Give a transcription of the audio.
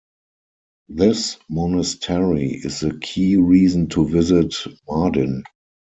This monastery is the key reason to visit Mardin.